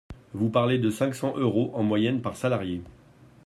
Vous parlez de cinq cents euros en moyenne par salarié.